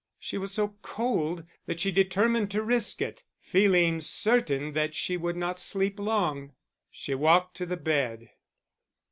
She was so cold that she determined to risk it, feeling certain that she would not sleep long; she walked to the bed.